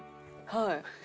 はい。